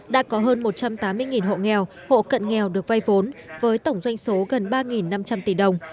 đã có hơn một trăm tám mươi hộ nghèo hộ cận nghèo được vay vốn với tổng doanh số gần ba năm trăm linh tỷ đồng